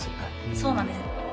そうなんです。